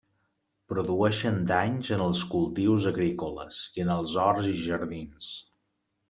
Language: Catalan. Produeixen danys en els cultius agrícoles, i en els horts i jardins.